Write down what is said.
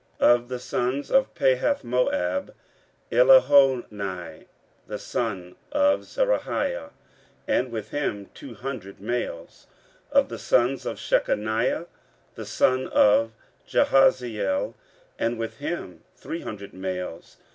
15:008:004 Of the sons of Pahathmoab; Elihoenai the son of Zerahiah, and with him two hundred males. 15:008:005 Of the sons of Shechaniah; the son of Jahaziel, and with him three hundred males.